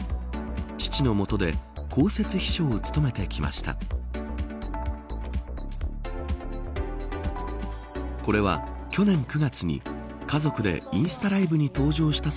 父のもとで公設秘書を務めてきました。